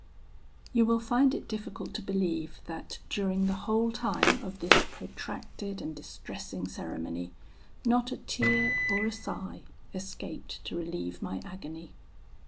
"You will find it difficult to believe that, during the whole time of this protracted and distressing ceremony, not a tear or a sigh escaped to relieve my agony.